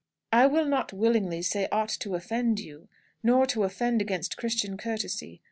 "I will not willingly say aught to offend you, nor to offend against Christian courtesy.